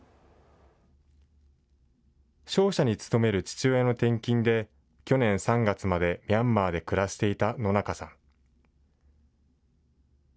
商社に勤める父親の転勤で去年３月までミャンマーで暮らしていた野中さん。